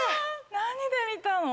何で見たの？